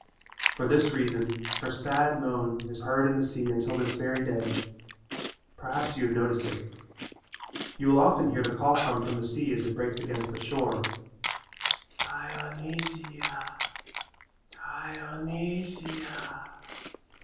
For this reason her sad moan is heard in the sea until this very day. Perhaps you have noticed it. You will often hear the call come from the sea as it breaks against the shore, "Dionysia, Di o ny si a."